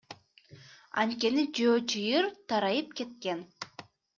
Анткени жөө чыйыр тарайып кеткен.